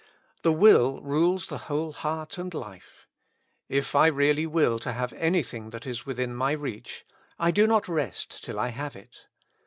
The will rules the whole heart and life ; if I really will to have anything that is within my reach, I do not rest till I have it.